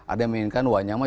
ada yang menginginkan wanyama